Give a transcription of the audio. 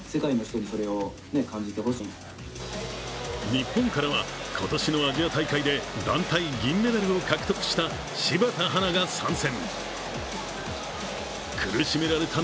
日本からは今年のアジア大会で団体銀メダルを獲得した柴田華が参戦。